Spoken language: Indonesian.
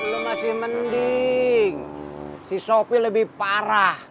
lo masih mending si sopi lebih parah